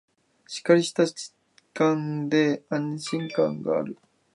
しっかりした質感で安心感がある